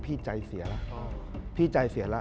พี่ใจเสียแล้ว